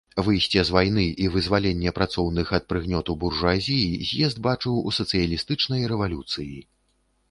Выйсце з вайны і вызваленне працоўных ад прыгнёту буржуазіі з'езд бачыў у сацыялістычнай рэвалюцыі.